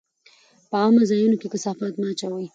په عامه ځایونو کې کثافات مه اچوئ.